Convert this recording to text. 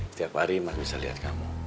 setiap hari masih bisa lihat kamu